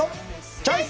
チョイス！